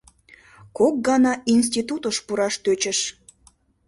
Кок гана институтыш пураш тӧчыш.